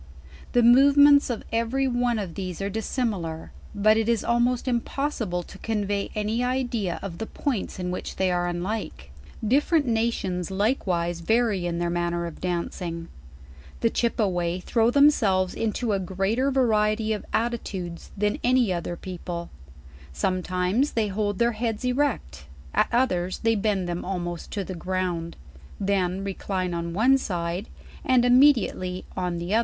The movements of every one r>f thes e are dissimilar; but it is almoct impossible to convey any idea of the points in which they are unlike. Different nations likewise vary in their manner of dancing. The Chipeway throw themselves into a greater variety of attitudes than any other people; some times they hold their heads erect, at others they bend them almost to the ground; then recline on one side, and immediately on the other.